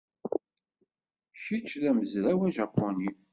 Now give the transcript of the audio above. Kečč d amezraw ajapuni?